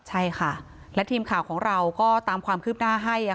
ใช่ค่ะและทีมข่าวของเราก็ตามความคืบหน้าให้